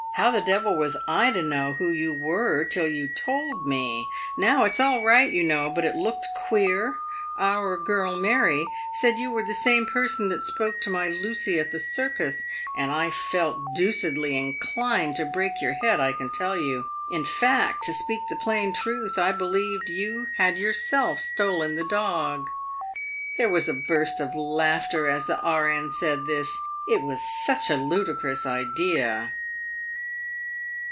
" How the devil was I to know who you were till you told me ? Now it's all right, you know ; but it looked queer. Our girl, Mary, said you were the same person that spoke to my Lucy at the circus, and I felt deucedly inclined to break your head, I can tell you. In fact, to speak the plain truth, I be lieved you had yourself stolen the dog." There was a burst of laughter as the E.N. said this. It was such a ludicrous idea.